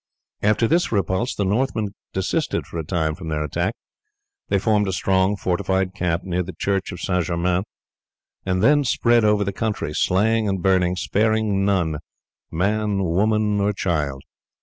After this repulse the Northmen desisted for a time from their attack. They formed a strong fortified camp near the church of St. Germain, and then spread over the country slaying and burning, sparing none, man, woman, or child.